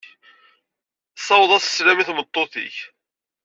Ssiweḍ-as sslam i tmeṭṭut-nnek.